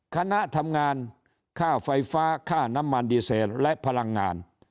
คณะทำงานค่าไฟฟ้าค่าน้ำมันดีเซลและพลังงาน